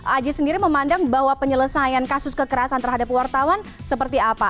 aji sendiri memandang bahwa penyelesaian kasus kekerasan terhadap wartawan seperti apa